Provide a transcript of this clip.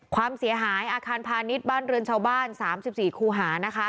ความเสียหายอาคารพาณิชย์บ้านเรือนชาวบ้าน๓๔คูหานะคะ